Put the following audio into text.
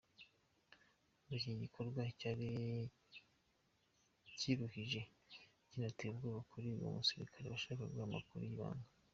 Ngo iki gikorwa cyari kiruhije kinateye ubwoba kuri uwo musirikare washakaga amakuru y’ibanga.